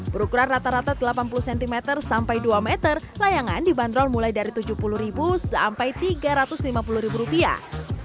berukuran rata rata delapan puluh cm sampai dua meter layangan dibanderol mulai dari tujuh puluh sampai tiga ratus lima puluh rupiah